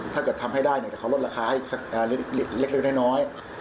ถ้าเกิดทำให้ได้เนี่ยเขารถราคาให้เล็กให้น้อย